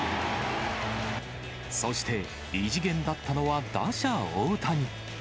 そして、異次元だったのは打者大谷。